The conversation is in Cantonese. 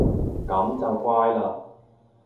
噉就乖嘞